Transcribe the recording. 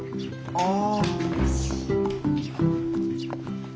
ああ。